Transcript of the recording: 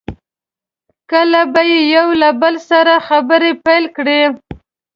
کله به یې یو له بل سره خبرې پیل کړې.